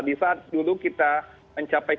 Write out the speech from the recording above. di saat dulu kita mencapai